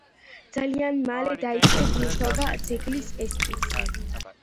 ძალიან მალევე დაიწყეს მუშაობა ძეგლის ესკიზზე.